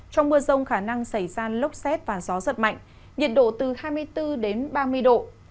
trong mưa rông khả năng xảy ra lốc xét và gió giật mạnh nhiệt độ từ hai mươi bốn đến ba mươi độ